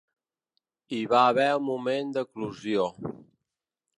Hi va haver un moment d’eclosió.